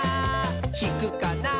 ひくかな？